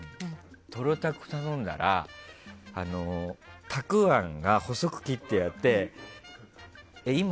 トロたく頼んだらたくあんが細く切ってあって。